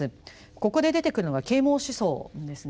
ここで出てくるのが啓蒙思想ですね。